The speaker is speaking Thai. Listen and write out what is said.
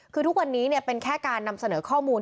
คือทุกวันนี้เป็นแค่การนำเสนอข้อมูล